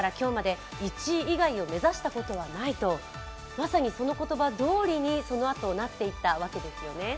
まさに、その言葉どおりにそのあとなっていったわけです。